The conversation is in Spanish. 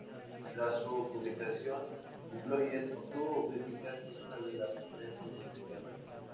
Tras su publicación, "Unplugged" obtuvo críticas mixtas de la prensa musical.